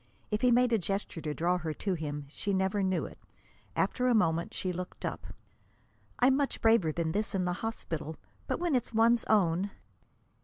If he made a gesture to draw her to him, she never knew it. After a moment she looked up. "I'm much braver than this in the hospital. But when it's one's own!"